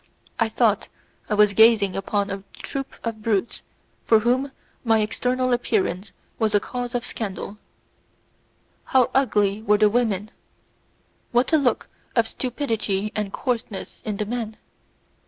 I thought I was gazing upon a troop of brutes for whom my external appearance was a cause of scandal. How ugly were the women! What a look of stupidity and coarseness in the men!